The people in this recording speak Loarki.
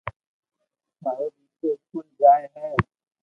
مارو دآڪرو اسڪول جائي ھي